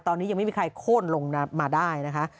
ตอนนี้ยังไม่มีใครโค้นลงมาได้นะคะ